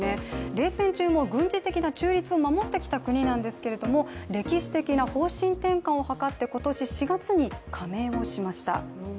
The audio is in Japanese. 冷戦中も中立を守ってきた国なんですけれども歴史的な方針転換を図って今年４月に加盟しました。